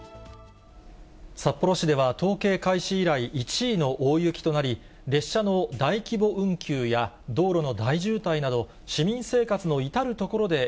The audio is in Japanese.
札幌市では、統計開始以来１位の大雪となり、列車の大規模運休や、道路の大渋滞など、市民生